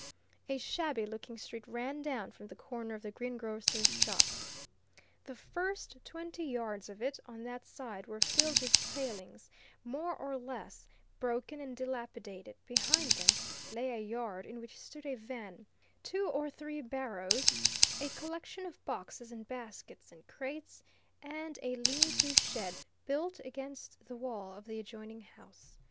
A shabby looking street ran down from the corner of the greengrocer's shop; the first twenty yards of it on that side were filled with palings, more or less broken and dilapidated; behind them lay a yard in which stood a van, two or three barrows, a collection of boxes and baskets and crates, and a lean to shed, built against the wall of the adjoining house.